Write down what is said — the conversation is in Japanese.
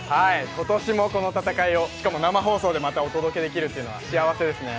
今年もこの戦いを、しかも生放送でお届けできるというのは幸せですね。